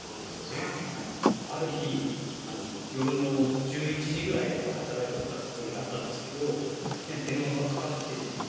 そうですある日夜の１１時ぐらいまで働いとった時があったんですけどいきなり電話がかかってきてですね